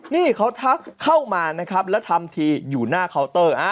นี่เขาทักเข้ามานะครับแล้วทำทีอยู่หน้าเคาน์เตอร์